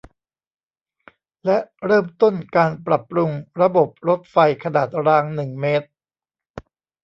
และเริ่มต้นการปรับปรุงระบบรถไฟขนาดรางหนึ่งเมตร